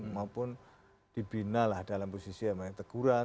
maupun dibina lah dalam posisi yang memang teguran